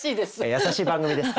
優しい番組ですから。